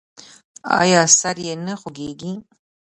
ایا سر یې نه خوږیږي؟